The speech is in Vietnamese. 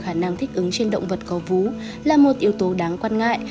khả năng thích ứng trên động vật có vú là một yếu tố đáng quan ngại